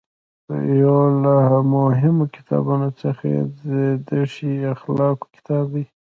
یو له مهمو کتابونو څخه یې د ښې اخلاقو کتاب دی.